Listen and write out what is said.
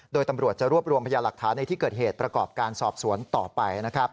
โดยตำรวจจะรวบรวมพยาหลักฐานในที่เกิดเหตุประกอบการสอบสวนต่อไป